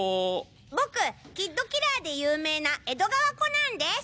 僕キッドキラーで有名な江戸川コナンです！